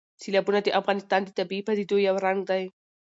سیلابونه د افغانستان د طبیعي پدیدو یو رنګ دی.